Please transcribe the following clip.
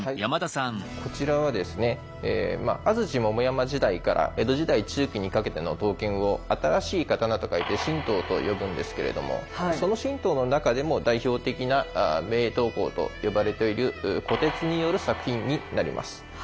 こちらはですね安土桃山時代から江戸時代中期にかけての刀剣を新しい刀と書いて新刀と呼ぶんですけれどもその新刀の中でも代表的な名刀工と呼ばれている虎徹による作品になります。